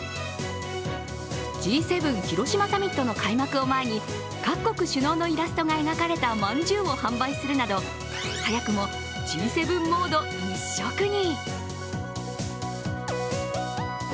Ｇ７広島サミットの開幕を前に各国首脳のイラストが描かれたまんじゅうを販売するなど早くもＧ７モード一色に。